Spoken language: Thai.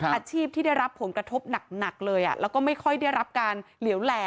อาชีพที่ได้รับผลกระทบหนักเลยแล้วก็ไม่ค่อยได้รับการเหลวแหล่